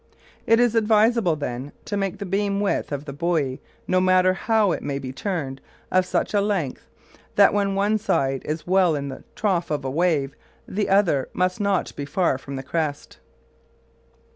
It is advisable then to make the beam width of the buoy, no matter how it may be turned, of such a length that when one side is well in the trough of a wave the other must be not far from the crest.